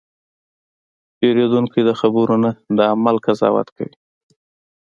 پیرودونکی د خبرو نه، د عمل قضاوت کوي.